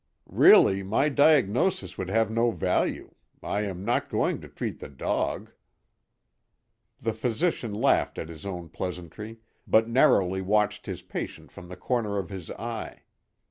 "Really, my diagnosis would have no value: I am not going to treat the dog." The physician laughed at his own pleasantry, but narrowly watched his patient from the corner of his eye.